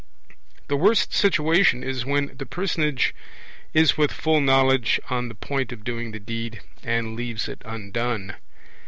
The worst situation is when the personage is with full knowledge on the point of doing the deed, and leaves it undone.